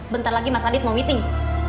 bentar lagi mas adit mau meeting